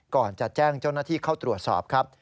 ก่อนจะแจ้งเจ้าหน้าที่เข้าตรวจสอบครับ